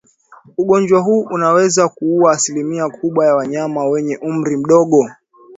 Ugonjwa huu unaweza kuua asilimia kubwa ya wanyama wenye umri mdogo